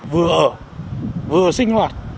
vừa ở vừa sinh hoạt